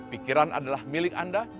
pikiran adalah milik anda